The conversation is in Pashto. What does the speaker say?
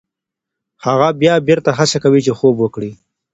هغه بیا بېرته هڅه کوي چې خوب وکړي.